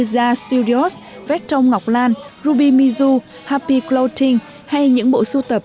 zha studios vectong ngọc lan ruby mizu happy clothing hay những bộ sưu tập